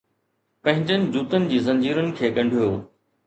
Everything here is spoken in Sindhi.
پنھنجن جوتن جي زنجيرن کي ڳنڍيو